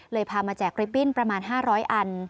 พามาแจกริบบิ้นประมาณ๕๐๐อัน